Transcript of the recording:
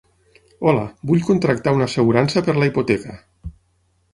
Hola, vull contractar una assegurança per la hipoteca.